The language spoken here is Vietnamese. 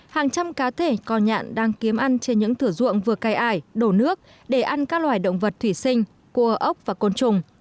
hàng trăm cá thể co nhạn đang kiếm ăn trên những thửa ruộng vừa cây ải đổ nước để ăn các loài động vật thủy sinh cua ốc và côn trùng